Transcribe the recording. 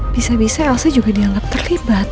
bisa bisa elsa juga dianggap terlibat